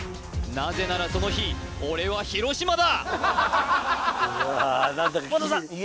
なぜならその日俺は広島だ！